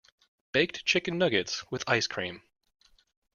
Baked chicken nuggets, with ice cream.